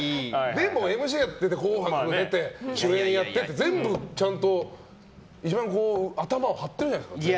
でもＭＣやって「紅白」も出て主演やってって全部、一番頭を張ってるじゃないですか。